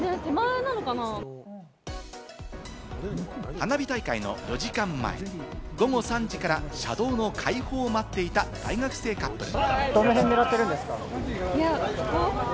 花火大会の４時間前、午後３時から車道の開放を待っていた大学生カップル。